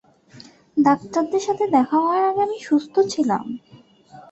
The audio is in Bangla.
ডাক্তাদের সাথে দেখা হওয়ার আগে আমি সুস্থ ছিলাম!